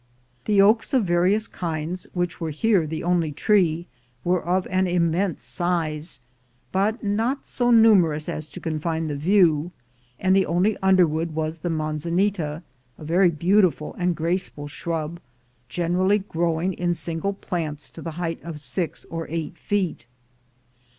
The oaks of various kinds, ^\hich were here the only tree, were of an immense size, but not so numerous as to confine the view; and tlie only underwood was the mansanita, a very beautiful and graceful shrub, generall}' growing in single plants to the height of six or eight feet.